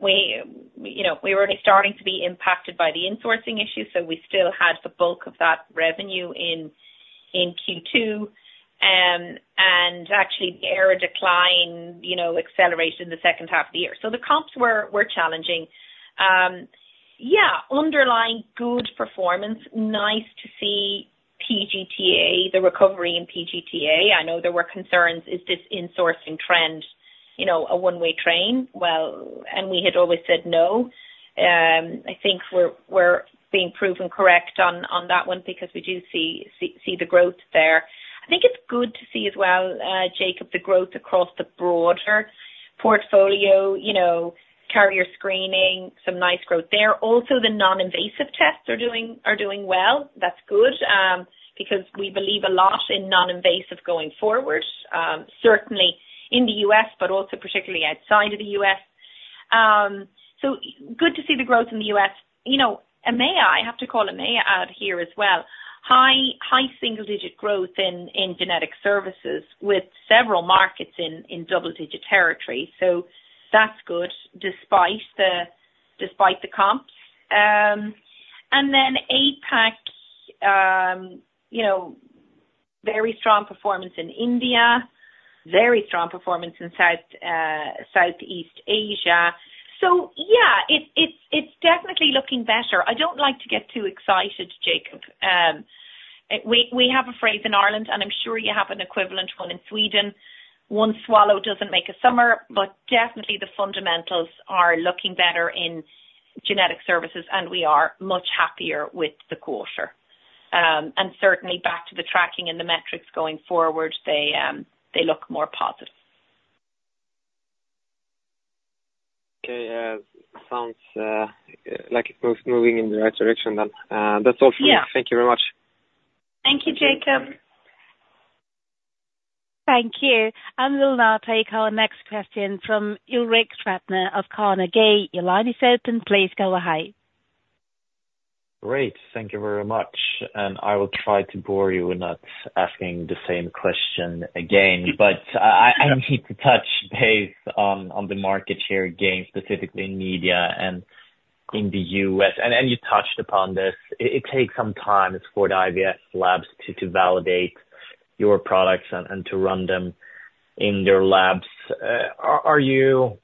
we, you know, we were only starting to be impacted by the insourcing issue, so we still had the bulk of that revenue in Q2. And actually, the order decline, you know, accelerated in the second half of the year. So the comps were challenging. Yeah, underlying good performance. Nice to see PGT-A, the recovery in PGT-A. I know there were concerns, is this insourcing trend, you know, a one-way train? Well, and we had always said no. I think we're being proven correct on that one because we do see the growth there. I think it's good to see as well, Jakob, the growth across the broader portfolio, you know, carrier screening, some nice growth there. Also, the non-invasive tests are doing well. That's good, because we believe a lot in non-invasive going forward, certainly in the US, but also particularly outside of the US. So good to see the growth in the US. You know, EMEA, I have to call EMEA out here as well. High single-digit growth in genetic services with several markets in double-digit territory, so that's good, despite the comps. And then APAC, you know, very strong performance in India, very strong performance in Southeast Asia. So yeah, it's definitely looking better. I don't like to get too excited, Jakob. We have a phrase in Ireland, and I'm sure you have an equivalent one in Sweden: One swallow doesn't make a summer. Definitely the fundamentals are looking better in genetic services, and we are much happier with the quarter. Certainly back to the tracking and the metrics going forward, they, they look more positive. Okay, sounds like it's moving in the right direction then. That's all for me. Yeah. Thank you very much. Thank you, Jakob. Thank you. I will now take our next question from Ulrik Trattner of Carnegie. Your line is open. Please go ahead. ... Great, thank you very much, and I will try to bore you with not asking the same question again. But I need to touch base on the market share gains, specifically in media and in the U.S. And you touched upon this. It takes some time for the IVF labs to validate your products and to run them in their labs. Are you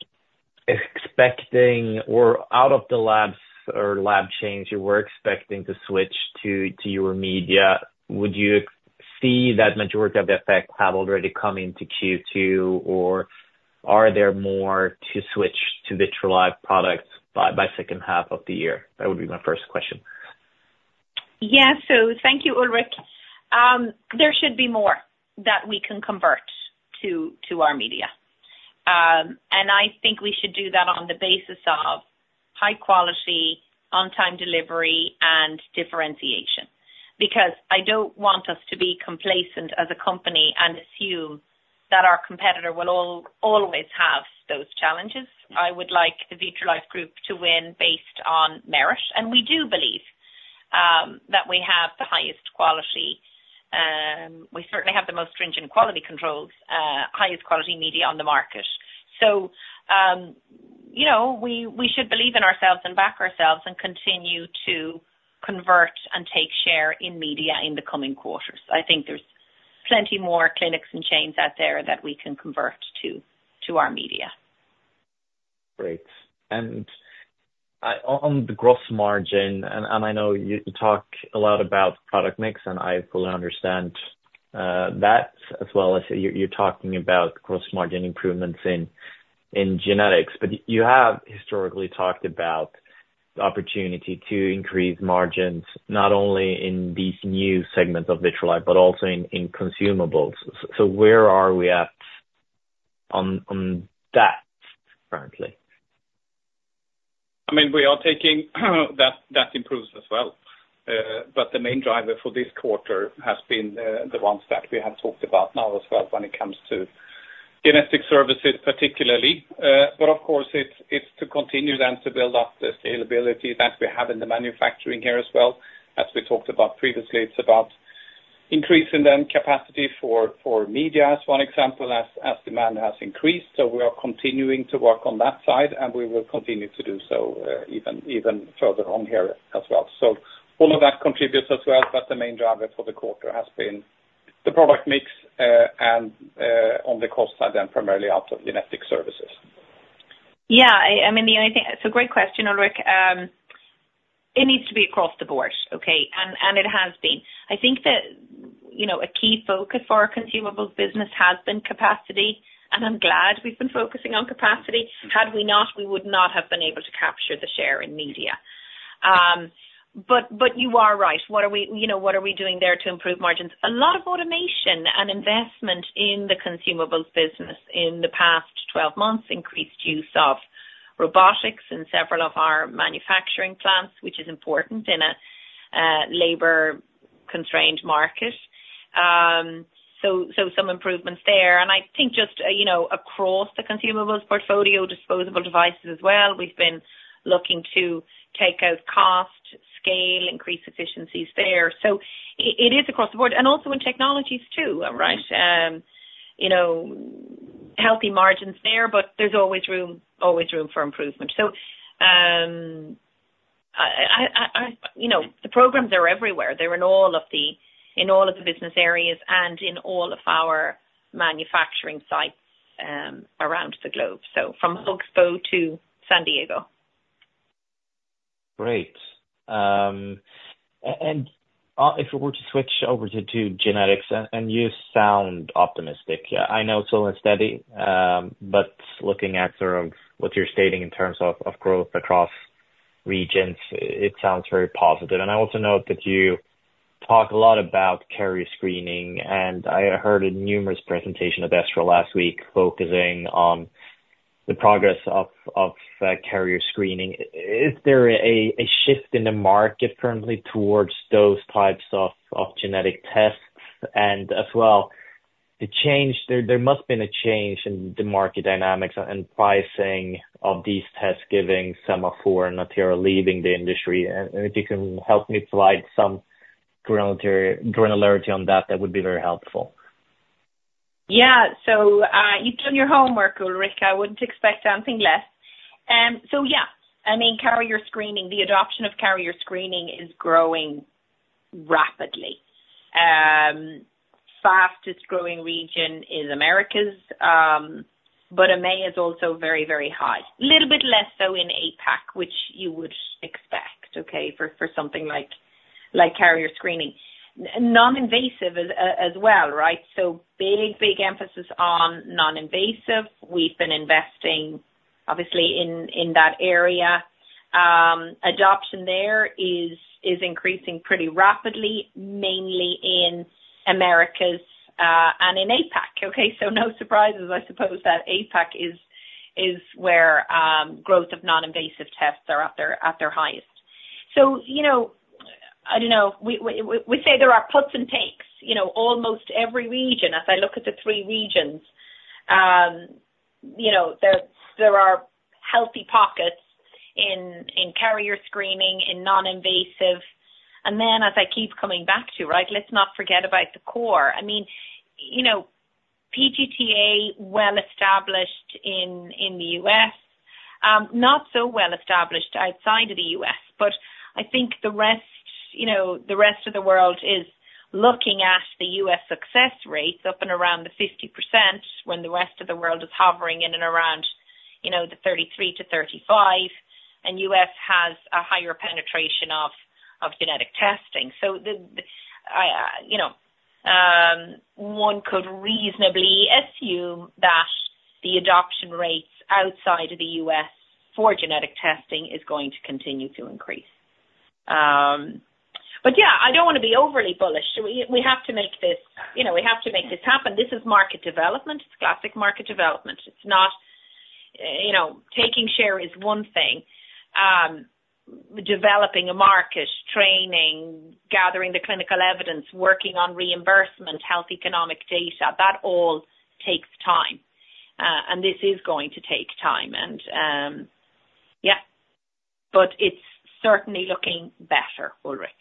expecting, out of the labs or lab chains you were expecting to switch to your media, would you see that majority of the effects have already come into Q2, or are there more to switch to Vitrolife products by second half of the year? That would be my first question. Yeah. So thank you, Ulrik. There should be more that we can convert to our media. And I think we should do that on the basis of high quality, on-time delivery, and differentiation. Because I don't want us to be complacent as a company and assume that our competitor will always have those challenges. I would like the Vitrolife Group to win based on merit, and we do believe that we have the highest quality. We certainly have the most stringent quality controls, highest quality media on the market. So, you know, we should believe in ourselves and back ourselves, and continue to convert and take share in media in the coming quarters. I think there's plenty more clinics and chains out there that we can convert to our media. Great. On the gross margin, and I know you talk a lot about product mix, and I fully understand that, as well as you're talking about gross margin improvements in genetics. But you have historically talked about the opportunity to increase margins, not only in these new segments of Vitrolife, but also in consumables. So where are we at on that currently? I mean, we are taking that, that improves as well. But the main driver for this quarter has been the ones that we have talked about now as well, when it comes to genetic services, particularly. But of course, it's, it's to continue then to build up the scalability that we have in the manufacturing here as well. As we talked about previously, it's about increasing the capacity for media, as one example, as demand has increased. So we are continuing to work on that side, and we will continue to do so, even, even further on here as well. So all of that contributes as well, but the main driver for the quarter has been the product mix, and, on the cost side, then primarily out of genetic services. Yeah, I mean, the only thing... It's a great question, Ulrik. It needs to be across the board, okay? And it has been. I think that, you know, a key focus for our consumables business has been capacity, and I'm glad we've been focusing on capacity. Had we not, we would not have been able to capture the share in media. But you are right. What are we-- You know, what are we doing there to improve margins? A lot of automation and investment in the consumables business in the past 12 months, increased use of robotics in several of our manufacturing plants, which is important in a labor-constrained market. So some improvements there. And I think just, you know, across the consumables portfolio, disposable devices as well, we've been looking to take out cost, scale, increase efficiencies there. So it is across the board, and also in technologies, too, right? You know, healthy margins there, but there's always room, always room for improvement. So, you know, the programs are everywhere. They're in all of the, in all of the business areas and in all of our manufacturing sites, around the globe. So from Huntsville to San Diego. Great. And if we were to switch over to genetics, and you sound optimistic. I know it's slow and steady, but looking at sort of what you're stating in terms of growth across regions, it sounds very positive. And I also note that you talk a lot about carrier screening, and I heard a number of presentations at ESHRE last week focusing on the progress of carrier screening. Is there a shift in the market currently towards those types of genetic tests? And as well, there must have been a change in the market dynamics and pricing of these tests, given some of the reasons for Natera leaving the industry. And if you can help me provide some granularity on that, that would be very helpful. Yeah. So, you've done your homework, Ulrik. I wouldn't expect anything less. So yeah, I mean, carrier screening, the adoption of carrier screening is growing rapidly. Fastest growing region is Americas, but EMEA is also very, very high. Little bit less so in APAC, which you would expect, okay, for something like carrier screening. Non-invasive as well, right? So big, big emphasis on non-invasive. We've been investing, obviously, in that area. Adoption there is increasing pretty rapidly, mainly in Americas, and in APAC. Okay, so no surprises, I suppose, that APAC is where growth of non-invasive tests are at their highest. So, you know, I don't know, we say there are puts and takes. You know, almost every region, as I look at the three regions-... You know, there are healthy pockets in carrier screening, in non-invasive, and then as I keep coming back to, right, let's not forget about the core. I mean, you know, PGT-A, well established in the U.S., not so well established outside of the U.S., but I think the rest, you know, the rest of the world is looking at the U.S. success rates up and around the 50% when the rest of the world is hovering in and around, you know, the 33%-35%, and U.S. has a higher penetration of genetic testing. So, you know, one could reasonably assume that the adoption rates outside of the U.S. for genetic testing is going to continue to increase. But yeah, I don't wanna be overly bullish. So we, we have to make this, you know, we have to make this happen. This is market development. It's classic market development. It's not, you know, taking share is one thing. Developing a market, training, gathering the clinical evidence, working on reimbursement, health, economic data, that all takes time, and this is going to take time, and, yeah, but it's certainly looking better, Ulrik.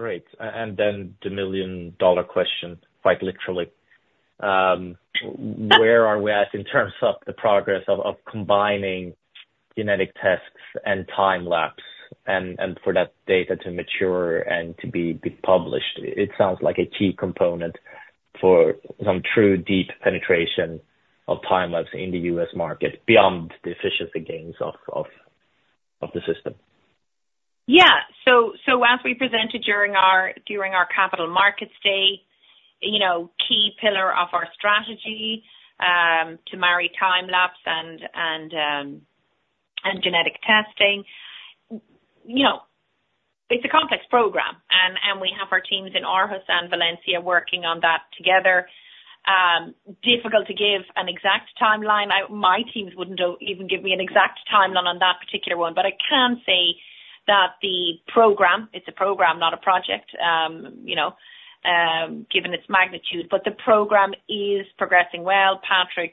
Great. And then the million-dollar question, quite literally. Where are we at in terms of the progress of combining genetic tests and time-lapse and for that data to mature and to be published? It sounds like a key component for some true deep penetration of time-lapse in the U.S. market, beyond the efficiency gains of the system. Yeah. So as we presented during our Capital Markets Day, you know, key pillar of our strategy, to marry time lapse and genetic testing, you know, it's a complex program, and we have our teams in Aarhus and Valencia working on that together. Difficult to give an exact timeline. My teams wouldn't even give me an exact timeline on that particular one, but I can say that the program, it's a program, not a project, you know, given its magnitude, but the program is progressing well. Patrik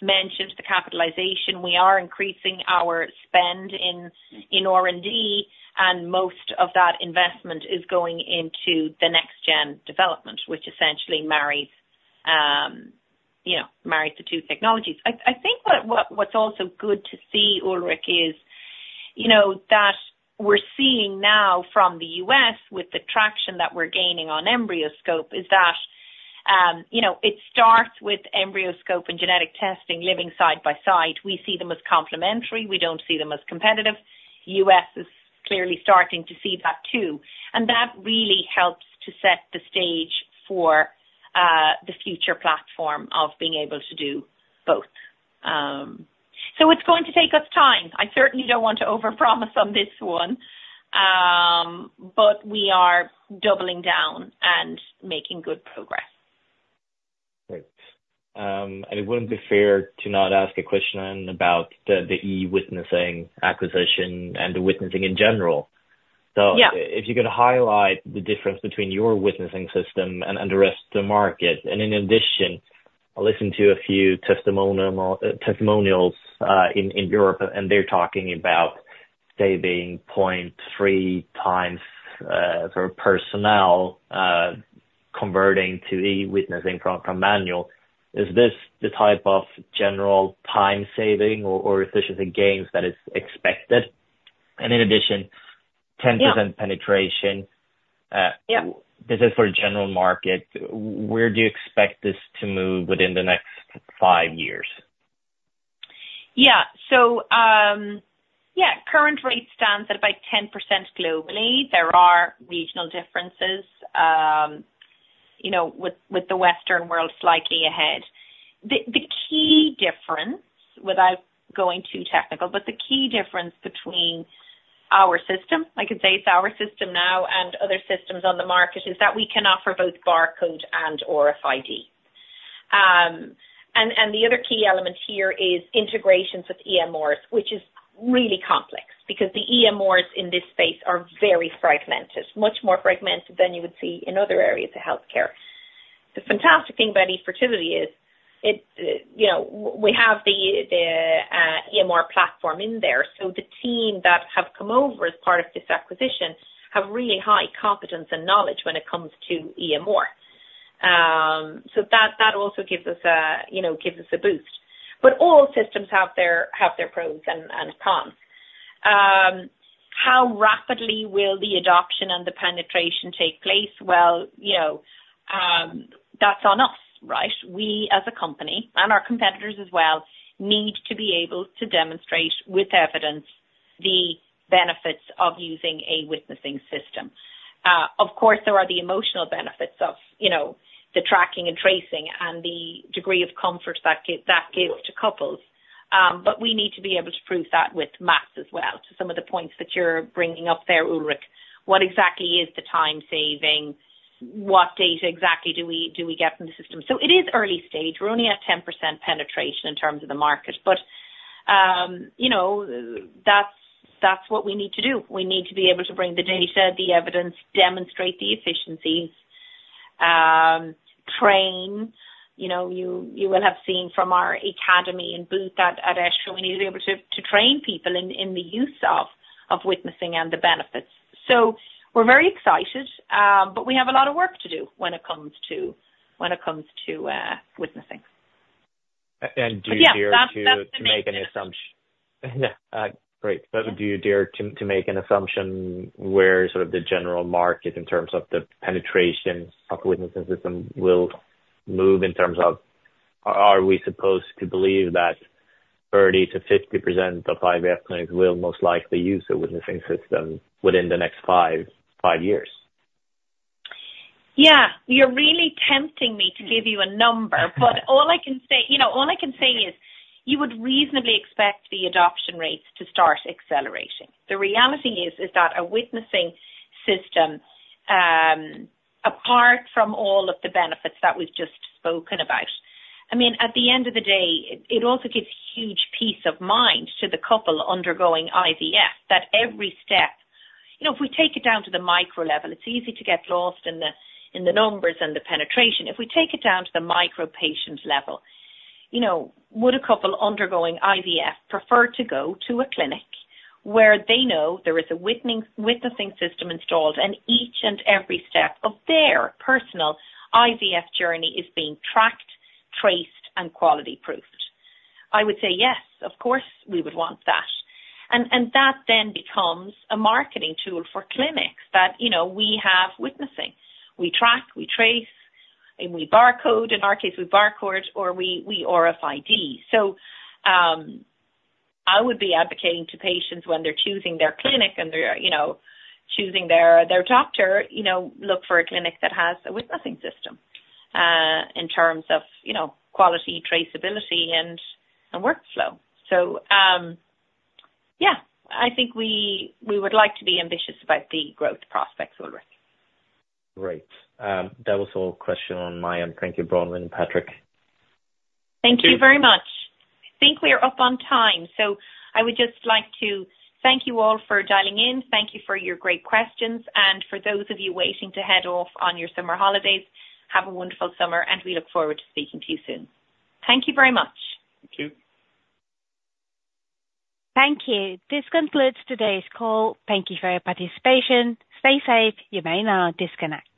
mentioned the capitalization. We are increasing our spend in R&D, and most of that investment is going into the next gen development, which essentially marries, you know, the two technologies. I think what's also good to see, Ulrik, is, you know, that we're seeing now from the U.S., with the traction that we're gaining on EmbryoScope, is that, you know, it starts with EmbryoScope and genetic testing living side by side. We see them as complementary. We don't see them as competitive. U.S. is clearly starting to see that too, and that really helps to set the stage for the future platform of being able to do both. So it's going to take us time. I certainly don't want to overpromise on this one. But we are doubling down and making good progress. Great. And it wouldn't be fair to not ask a question about the eWitness acquisition and the witnessing in general. Yeah. So if you could highlight the difference between your witnessing system and the rest of the market. And in addition, I listened to a few testimonials in Europe, and they're talking about saving 0.3 times for personnel converting to eWitnessing from manual. Is this the type of general time saving or efficiency gains that is expected? And in addition- Yeah... 10% penetration, Yeah... this is for general market. Where do you expect this to move within the next five years? Yeah. So, yeah, current rate stands at about 10% globally. There are regional differences, you know, with the Western world slightly ahead. The key difference, without going too technical, but the key difference between our system, I can say it's our system now, and other systems on the market, is that we can offer both barcode and/or RFID. And the other key element here is integrations with EMRs, which is really complex, because the EMRs in this space are very fragmented, much more fragmented than you would see in other areas of healthcare. The fantastic thing about eFertility is, you know, we have the EMR platform in there, so the team that have come over as part of this acquisition have really high competence and knowledge when it comes to EMR. So that also gives us a you know, gives us a boost. But all systems have their pros and cons. How rapidly will the adoption and the penetration take place? Well, you know, that's on us, right? We, as a company, and our competitors as well, need to be able to demonstrate with evidence the benefits of using a witnessing system. Of course, there are the emotional benefits of, you know, the tracking and tracing and the degree of comfort that gives to couples, but we need to be able to prove that with math as well. To some of the points that you're bringing up there, Ulrik, what exactly is the time saving? What data exactly do we get from the system? So it is early stage. We're only at 10% penetration in terms of the market, but, you know, that's what we need to do. We need to be able to bring the data, the evidence, demonstrate the efficiencies. Train, you know, you will have seen from our academy and booth at ESHRE, we need to be able to train people in the use of witnessing and the benefits. So we're very excited, but we have a lot of work to do when it comes to witnessing. and do you dare to- But yeah, that's the- Great. So do you dare to make an assumption where sort of the general market, in terms of the penetration of witnessing system, will move in terms of... Are we supposed to believe that 30%-50% of IVF clinics will most likely use a witnessing system within the next 5, 5 years? Yeah, you're really tempting me to give you a number. But all I can say, you know, all I can say is you would reasonably expect the adoption rates to start accelerating. The reality is that a witnessing system, apart from all of the benefits that we've just spoken about, I mean, at the end of the day, it also gives huge peace of mind to the couple undergoing IVF, that every step... You know, if we take it down to the micro level, it's easy to get lost in the numbers and the penetration. If we take it down to the micro-patient level, you know, would a couple undergoing IVF prefer to go to a clinic where they know there is a witnessing system installed, and each and every step of their personal IVF journey is being tracked, traced, and quality-proofed? I would say yes, of course, we would want that. And that then becomes a marketing tool for clinics that, you know, we have witnessing. We track, we trace, and we barcode. In our case, we barcode or we RFID. So, I would be advocating to patients when they're choosing their clinic and they're, you know, choosing their doctor, you know, look for a clinic that has a witnessing system, in terms of, you know, quality, traceability, and workflow. So, yeah, I think we would like to be ambitious about the growth prospects, Ulrik. Great. That was all questions on my end. Thank you, Bronwyn and Patrik. Thank you very much. I think we are up on time, so I would just like to thank you all for dialing in. Thank you for your great questions, and for those of you waiting to head off on your summer holidays, have a wonderful summer, and we look forward to speaking to you soon. Thank you very much. Thank you. Thank you. This concludes today's call. Thank you for your participation. Stay safe. You may now disconnect.